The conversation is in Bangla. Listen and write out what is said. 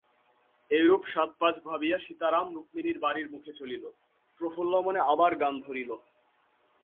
এইরূপ সাত-পাঁচ ভাবিয়া সীতারাম রুক্মিণীর বাড়ির মুখে চলিল, প্রফুল্লমনে আবার গান ধরিল।